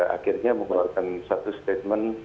akhirnya mengeluarkan satu statement